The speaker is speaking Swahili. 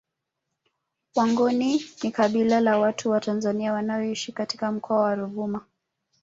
Wangoni ni kabila la watu wa Tanzania wanaoishi katika Mkoa wa Ruvuma